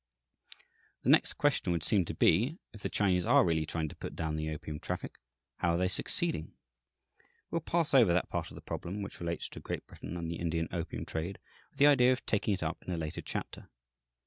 The next question would seem to be, if the Chinese are really trying to put down the opium traffic, how are they succeeding? We will pass over that part of the problem which relates to Great Britain and the Indian opium trade, with the idea of taking it up in a later chapter.